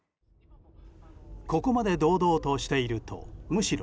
ここまで堂々としているとむしろ